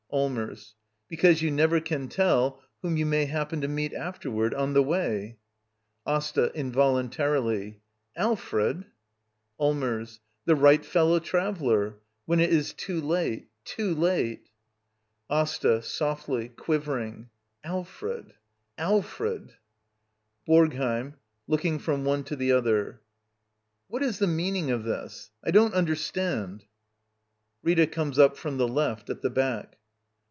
Allmers. Because you never can tell whom you V'may happen to meet afterward — on the way. AsTA. [Involuntarily.] Alfred! Allmers. The right ^^H/^n^ ^r a v*'^^*'^' '^^n»nti .> isJoaJate — too late —! AsTA. [Softly, quivering.] Alfred ! Alfred ! BoRGHEiM. [Looking from one to the other.] What is the meaning of this? I don't under stand — [Rita comes up from the left, at the back.